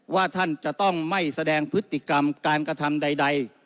ว่าท่านจะต้องไม่แสดงพฤติกรรมการกระทำใด